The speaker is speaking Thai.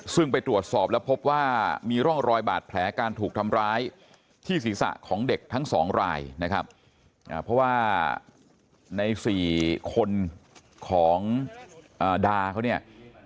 ซึ่งไปตรวจสอบแล้วพบว่ามีร่องรอยบาดแผลการถูกทำร้ายที่ศีรษะของเด็กทั้งสองรายนะครับเพราะว่าใน๔คนของดาเขาเนี่ย